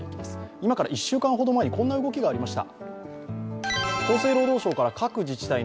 今から１週間ほど前に、こんな動きがありました。